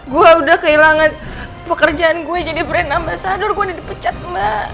gue udah kehilangan pekerjaan gue jadi brand ambasador gue udah dipecat mbak